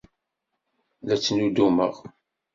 La ttnudumeɣ.